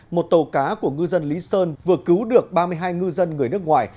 một tàu cá của ngư dân lý sơn vừa cứu được ba mươi hai ngư dân người nước ngoài